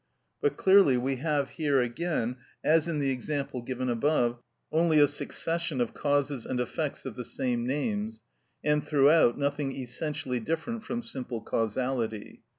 But clearly we have here again, as in the example given above, only a succession of causes and effects of the same names, and throughout nothing essentially different from simple causality.